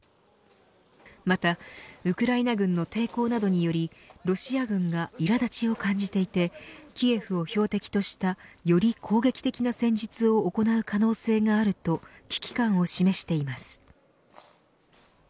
またウクライナ軍の抵抗などによりロシア軍がいら立ちを感じていてキエフを標的としたより攻撃的な戦術を行う可能性があると危機感を示しています。